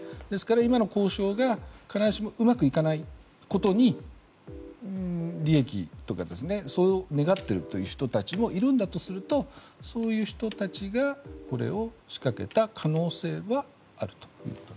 ですから、今の交渉が必ずしもうまくいかないことに利益とか、そう願っている人たちもいるんだとするとそういう人たちがこれを仕掛けた可能性があると。